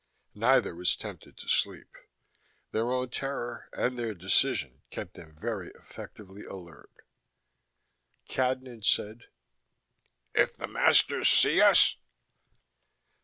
Neither was tempted to sleep: their own terror and their decision kept them very effectively alert. Cadnan said: "If the masters see us?"